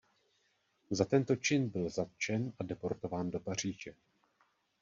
Za tento čin byl zatčen a deportován do Paříže.